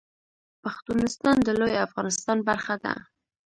پښتونستان د لوی افغانستان برخه ده